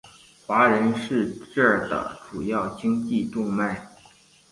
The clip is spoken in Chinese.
华人是这的主要经济动脉。